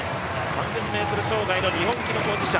３０００ｍ障害の日本記録保持者